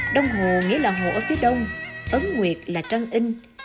đông hồ nghĩa là hồ ở phía đông ấn nguyệt là trăng in